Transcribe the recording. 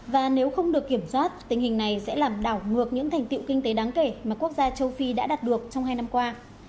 và nếu không được kiểm soát tình hình này sẽ làm đảo ngược những thành tiệu kinh tế đáng kể mà quốc gia châu phi đã đạt được trong hai năm qua